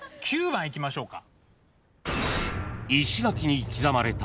９番いきましょうか。